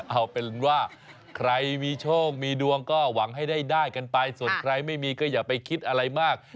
เอาเป็นว่าใครมีโชคมีดวงก็หวังให้ได้กันไปส่วนใครไม่มีก็อย่าไปคิดอะไรมาก